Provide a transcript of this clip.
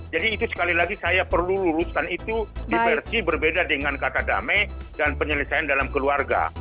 jadi itu sekali lagi saya perlu luruskan itu diversi berbeda dengan kata damai dan penyelesaian dalam keluarga